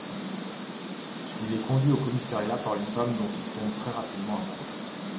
Il est conduit au commissariat par une femme dont il tombe très rapidement amoureux.